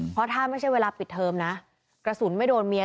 เพราะถ้าไม่ใช่เวลาปิดเทอมนะกระสุนไม่โดนเมีย